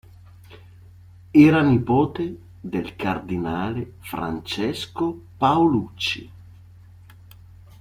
Era nipote del cardinale Francesco Paolucci.